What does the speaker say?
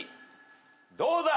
どうだ？